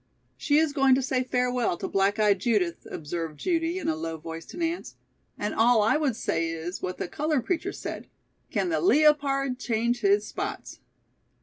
"She is going to say farewell to black eyed Judith," observed Judy in a low voice to Nance, "and all I would say is what the colored preacher said: 'Can the le o pard change his spots?'"